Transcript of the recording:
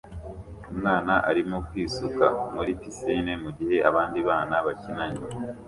Umwana arimo kwisuka muri pisine mugihe abandi bana bakina inyuma